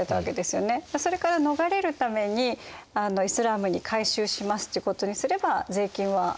それから逃れるためにイスラームに改宗しますっていうことにすれば税金は？